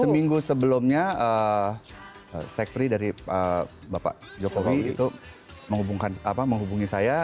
seminggu sebelumnya sekpri dari bapak jokowi itu menghubungi saya